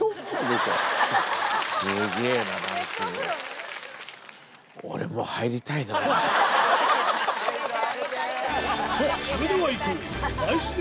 さぁそれではいこう！